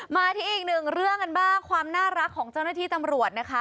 มาที่อีกหนึ่งเรื่องกันบ้างความน่ารักของเจ้าหน้าที่ตำรวจนะคะ